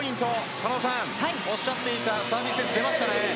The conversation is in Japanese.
狩野さん、おっしゃっていたサービスエース、出ましたね。